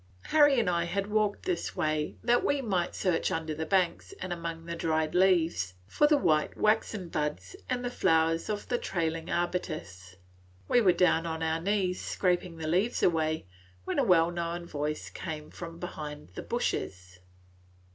Harry and I had walked this way that we might search under the banks and among the dried leaves for the white waxen buds and flowers of the trailing arbutus. We were down on our knees, scraping the leaves away, when a well known voice came from behind the bushes.